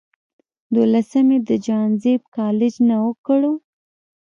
دولسم ئې د جهانزيب کالج نه اوکړو